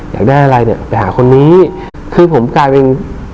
อยากได้อะไรเนี่ยไปหาคนนี้คือผมกลายเป็น